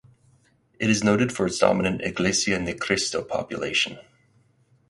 It is noted for its dominant Iglesia ni Cristo population.